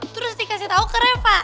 terus dikasih tau ke reva